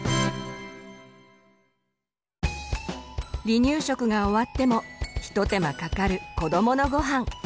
離乳食が終わっても一手間かかる子どものごはん。